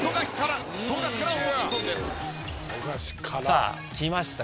さあきました